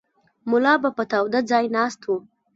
ملا به په تاوده ځای ناست و.